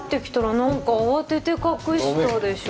何か慌てて隠したでしょ